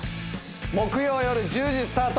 木曜夜１０時スタート。